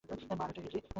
মা, আরেকটা ইডলি।